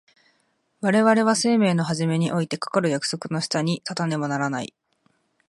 我々は生命の始めにおいてかかる約束の下に立たねばならない。